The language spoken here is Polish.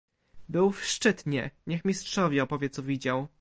"Był w Szczytnie, niech mistrzowi opowie co widział."